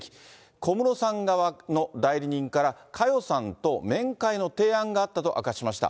小室さん側の代理人から佳代さんと面会の提案があったと明かしました。